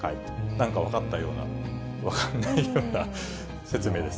なんか分かったような、分からないような説明です。